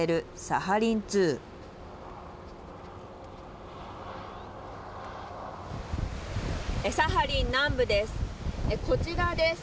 サハリン南部です。